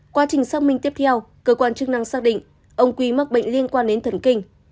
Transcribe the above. quá trình xác minh tiếp theo cơ quan chức năng xác định ông quy mắc bệnh liên quan đến thần kinh